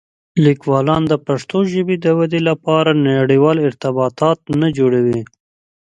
لیکوالان د پښتو ژبې د ودې لپاره نړيوال ارتباطات نه جوړوي.